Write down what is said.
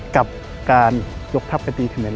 กับการยกทัพไปตีเขมร